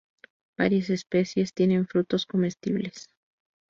Varias especies tienen frutos comestibles.